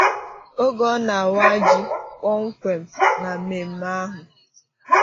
oge ọ na-awa ji kpọmkwem na mmemme ahụ